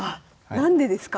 何でですか？